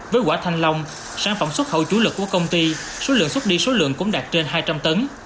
với quả thanh long sản phẩm xuất khẩu chủ lực của công ty số lượng xuất đi số lượng cũng đạt trên hai trăm linh tấn